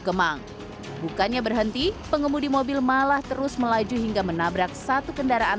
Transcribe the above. kemang bukannya berhenti pengemudi mobil malah terus melaju hingga menabrak satu kendaraan